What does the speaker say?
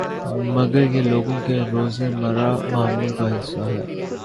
مگر یہ لوگوں کے روزمرہ معمول کا حصہ ہے